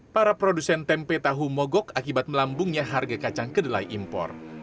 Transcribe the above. para produsen tempe tahu mogok akibat melambungnya harga kacang kedelai impor